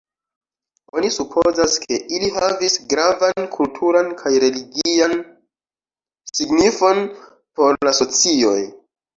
Oni supozas, ke ili havis gravan kulturan kaj religian signifon por la socioj.